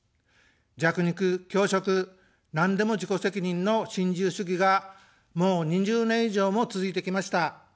弱肉強食、なんでも自己責任の新自由主義がもう２０年以上も続いてきました。